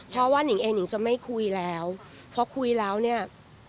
เพราะว่านิงเองนิงจะไม่คุยแล้วพอคุยแล้วเนี่ย